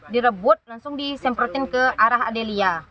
direbut langsung disemprotin ke arah adelia